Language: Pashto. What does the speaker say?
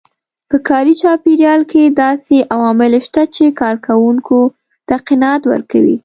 په کاري چاپېريال کې داسې عوامل شته چې کار کوونکو ته قناعت ورکوي.